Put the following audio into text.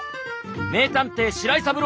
名探偵白井三郎。